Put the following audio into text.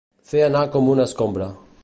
Fer anar com una escombra.